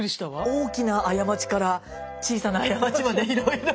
大きな過ちから小さな過ちまでいろいろと。